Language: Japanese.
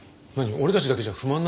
俺たちだけじゃ不満なわけ？